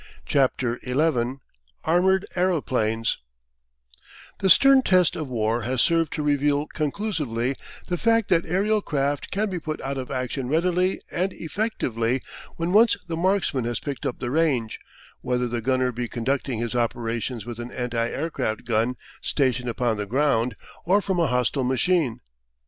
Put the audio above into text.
CHAPTER XI. ARMOURED AEROPLANES The stern test of war has served to reveal conclusively the fact that aerial craft can be put out of action readily and effectively, when once the marksman has picked up the range, whether the gunner be conducting his operations with an anti aircraft gun stationed upon the ground, or from a hostile machine.